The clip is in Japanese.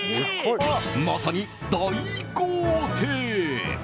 まさに大豪邸！